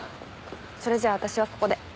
それじゃあ私はここで。